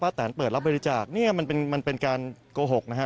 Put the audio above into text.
พระตานเปิดรับบริจาคนี่มันเป็นการโกหกนะครับ